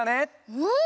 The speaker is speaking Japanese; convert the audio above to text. うん。